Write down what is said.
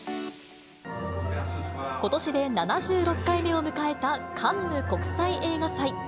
ことしで７６回目を迎えたカンヌ国際映画祭。